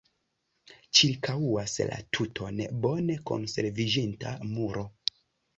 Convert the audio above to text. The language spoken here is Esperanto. Ĉirkaŭas la tuton bone konserviĝinta muro.